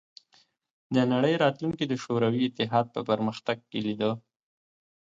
د نړۍ راتلونکې د شوروي اتحاد په پرمختګ کې لیده